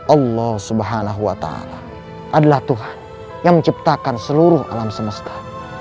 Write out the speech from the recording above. allah subhanahu wa ta'ala adalah tuhan yang menciptakan seluruh alam semesta